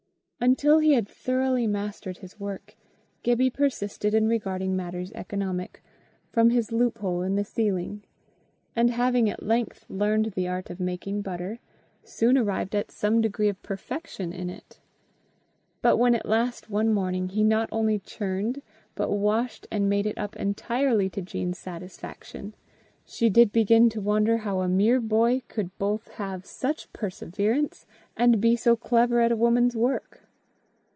Until he had thoroughly mastered his work, Gibbie persisted in regarding matters economic "from his loophole in the ceiling;" and having at length learned the art of making butter, soon arrived at some degree of perfection in it. But when at last one morning he not only churned, but washed and made it up entirely to Jean's satisfaction, she did begin to wonder how a mere boy could both have such perseverance, and be so clever at a woman's work.